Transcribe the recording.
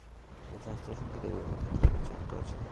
তিনি শাস্ত্রীয় সংগীতের বিভিন্ন ক্ষেত্রে বিচরণ করেছেন।